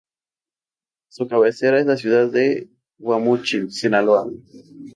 Su cabecera es la ciudad de Guamúchil, Sinaloa.